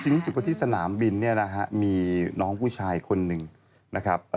จริงสิ่งที่สถานบินมีน้องผู้ชายคนหนึ่งนะครับ